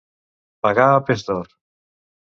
Pagar a pes d'or.